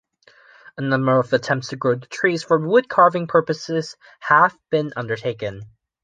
A number of attempts to grow the trees for woodcarving purpose have been undertaken.